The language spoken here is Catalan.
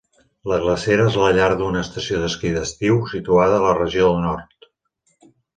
La glacera és la llar d'una estació d'esquí d'estiu, situada a la regió nord.